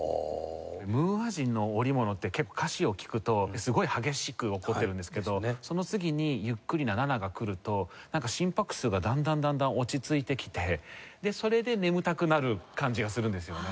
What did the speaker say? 『ムーア人の織物』って結構歌詞を聞くとすごい激しく怒ってるんですけどその次にゆっくりな『ナナ』がくると心拍数がだんだんだんだん落ち着いてきてそれで眠たくなる感じがするんですよね。